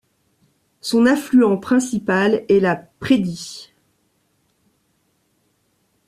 Son affluent principal est la Preedi.